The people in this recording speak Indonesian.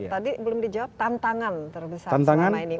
tadi belum dijawab tantangan terbesar selama ini